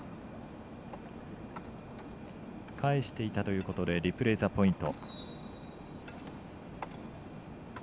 返していたということでリプレーザポイント。